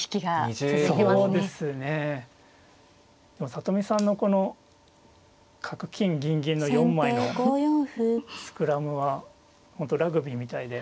里見さんのこの角金銀銀の４枚のスクラムは本当ラグビーみたいで。